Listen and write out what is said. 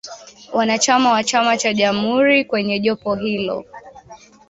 Wanachama wa chama cha Jamhuri kwenye jopo hilo